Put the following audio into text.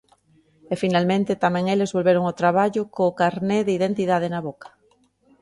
E finalmente tamén eles volveron ao traballo co carné de identidade na boca.